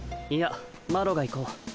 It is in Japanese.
いやマロが行こう